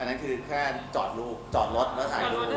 อันนั้นคือแค่จอดรถแล้วถ่ายรูป